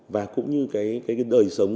và cũng như đời sống